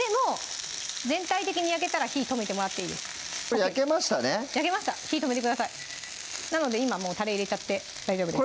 全体的に焼けたら火とめてもらっていいです焼けましたね焼けました火止めてくださいなので今たれ入れちゃって大丈夫です